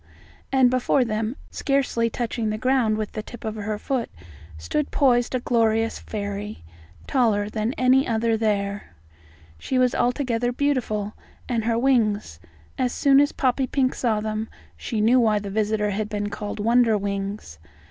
And before them, scarcely touching the ground with the tip of her foot, stood poised a glorious fairy, taller than any other there. She was altogether beautiful; and her wings as soon as Poppypink saw them she knew why the visitor had been called Wonderwings.